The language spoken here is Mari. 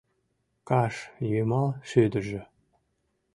Каш йымал шӱдыржӧ